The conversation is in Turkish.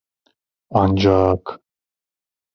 Ancak...